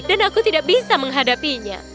dan aku tidak bisa menghadapinya